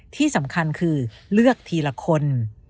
ที่สำคัญคือเลือกทีละคน